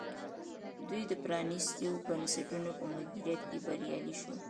دوی د پرانیستو بنسټونو په مدیریت کې بریالي شول.